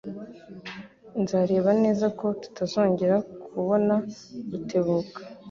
Nzareba neza ko tutazongera kubona Rutebuka.